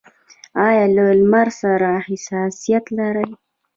ایا له لمر سره حساسیت لرئ؟